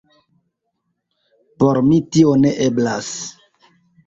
Por mi tio ne eblas.